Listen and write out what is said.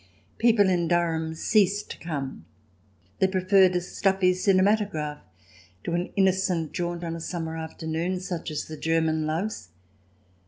People in Durham ceased to come ; they preferred a stuffy cinematograph to an innocent jaunt on a summer afternoon such as the German loves.